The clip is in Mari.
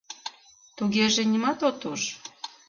Тугеже нимат от уж?